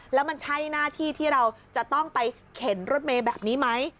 แล้วมันใช่หน้าที่ที่เราจะต้องไปเข็นรถเมย์แบบนี้ไหม